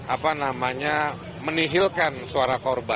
apa namanya menihilkan suara korban